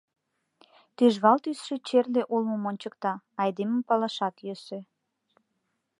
Тӱжвал тӱсшӧ черле улмым ончыкта — айдемым палашат йӧсӧ.